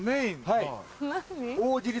はい。